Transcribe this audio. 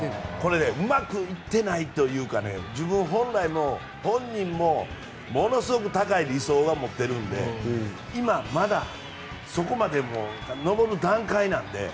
うまくいってないというか本人もものすごく高い理想は持ってるんで今まだそこまで上る段階なんで。